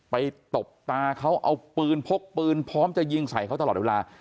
ตบตาเขาเอาปืนพกปืนพร้อมจะยิงใส่เขาตลอดเวลา